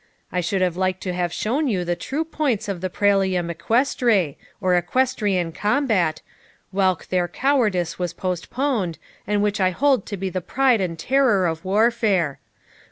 I should have liked to have shown you the true points of the pralium equestre, or equestrian combat, whilk their cowardice has postponed, and which I hold to be the pride and terror of warfare.